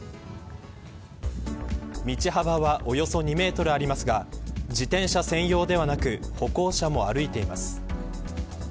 道幅はおよそ２メートルありますが自転車専用ではなく歩行者も歩いています。